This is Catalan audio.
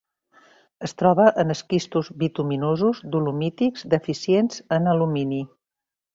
Es troba en esquistos bituminosos dolomítics deficients en alumini.